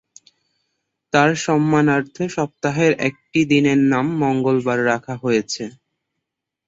তার সম্মানার্থে সপ্তাহের একটি দিনের নাম মঙ্গলবার রাখা হয়েছে।